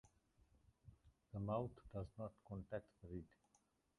The mouth does not contact the reed.